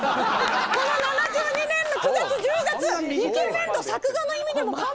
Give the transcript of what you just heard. この７２年の９月１０月イケメン度作画の意味でも完璧です！